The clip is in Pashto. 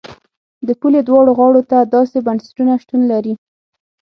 د پولې دواړو غاړو ته داسې بنسټونه شتون لري.